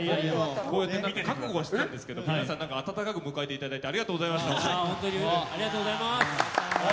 覚悟してたんですけど、皆さん温かく迎えていただいてありがとうございました。